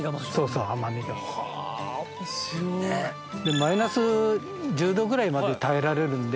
マイナス１０℃ぐらいまで耐えられるんで。